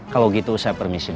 kalo gitu saya pergi ke rumah